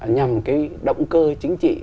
nhằm cái động cơ chính trị